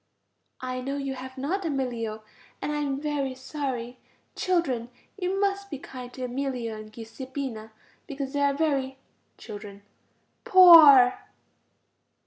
I know you have not, Emilio, and I am very sorry. Children, you must be kind to Emilio and Giuseppina, because they are very ... Children. Poor.